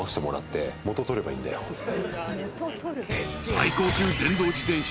［最高級電動自転車。